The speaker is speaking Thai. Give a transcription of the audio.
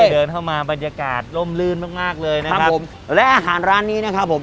เดินเข้ามาบรรยากาศล่มลื่นมากมากเลยนะครับผมและอาหารร้านนี้นะครับผม